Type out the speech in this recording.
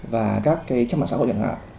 và các cái trang mạng xã hội chẳng hạn